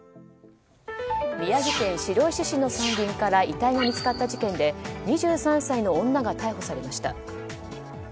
宮城県白石市の山林から遺体が見つかった事件で２３歳の女が逮捕されました。